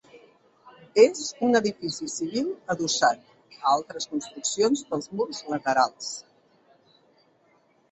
És un edifici civil adossat a altres construccions pels murs laterals.